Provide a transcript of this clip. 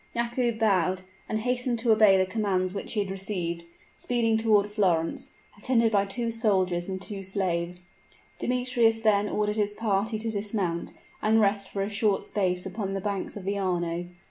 Yakoub bowed, and hastened to obey the commands which he had received speeding toward Florence, attended by two soldiers and two slaves. Demetrius then ordered his party to dismount and rest for a short space upon the banks of the Arno.